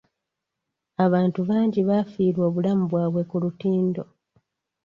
Abantu bangi baafiirwa obulamu bwabwe ku lutindo.